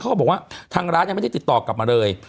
เขาบอกว่าทางร้านยังไม่ได้ติดต่อกลับมาเลย